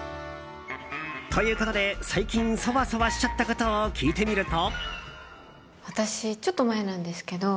ということで最近ソワソワしちゃったことを聞いてみると。